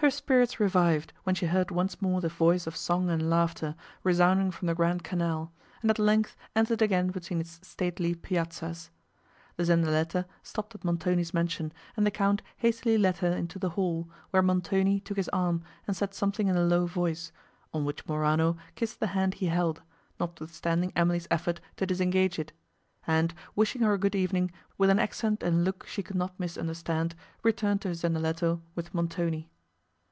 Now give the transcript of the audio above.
Her spirits revived, when she heard once more the voice of song and laughter, resounding from the grand canal, and at length entered again between its stately piazzas. The zendaletto stopped at Montoni's mansion, and the Count hastily led her into the hall, where Montoni took his arm, and said something in a low voice, on which Morano kissed the hand he held, notwithstanding Emily's effort to disengage it, and, wishing her a good evening, with an accent and look she could not misunderstand, returned to his zendaletto with Montoni.